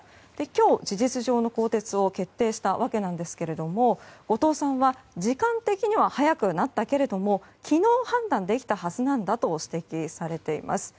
今日、事実上の更迭を決定したわけなんですが後藤さんは、時間的には早くなったけれども昨日、判断できたはずなんだと指摘されています。